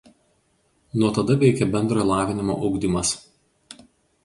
Nuo tada veikė bendrojo lavinimo ugdymas.